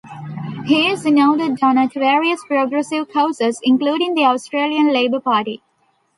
He is a noted donor to various progressive causes, including the Australian Labor Party.